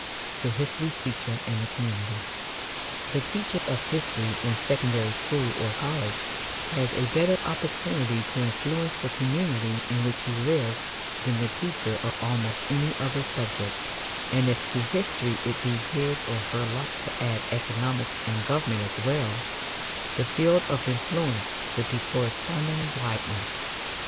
THE HISTORY TEACHER AND THE COMMUNITY. The teacher of history in secondary school or college has a better opportunity to influence the community in which he lives than the teacher of almost any other subject; and if to history it be his or her lot to add economics and government as well, the field of influence should be correspondingly widened.